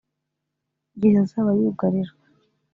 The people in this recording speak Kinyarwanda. Igihe azaba yugarijwe